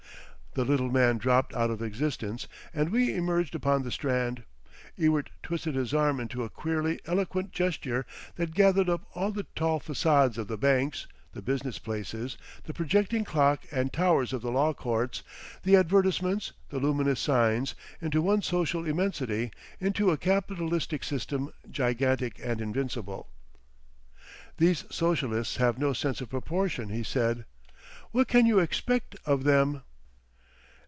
The little man dropped out of existence and we emerged upon the Strand. Ewart twisted his arm into a queerly eloquent gesture that gathered up all the tall façades of the banks, the business places, the projecting clock and towers of the Law Courts, the advertisements, the luminous signs, into one social immensity, into a capitalistic system gigantic and invincible. "These socialists have no sense of proportion," he said. "What can you expect of them?"